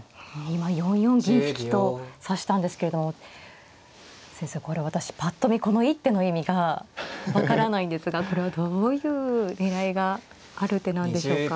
今４四銀引と指したんですけれども先生これ私ぱっと見この一手の意味が分からないんですがこれはどういう狙いがある手なんでしょうか。